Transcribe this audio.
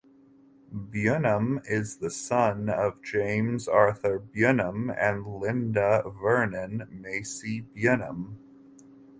Bynum is the son of James Arthur Bynum and Lynda Vernon (Massey) Bynum.